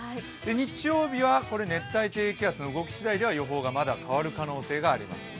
日曜日は熱帯低気圧の動きしだいでは予報がまだ変わる可能性があります。